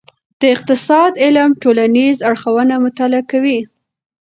د اقتصاد علم ټولنیز اړخونه مطالعه کوي.